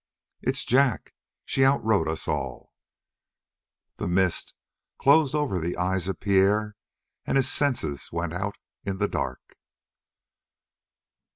"It's Jack. She outrode us all." Then the mist closed over the eyes of Pierre and his senses went out in the dark.